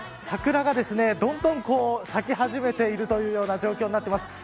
桜が、どんどん咲き始めているというような状況になってます。